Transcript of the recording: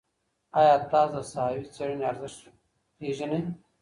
ایا تاسو د ساحوي څېړني ارزښت پېژنئ؟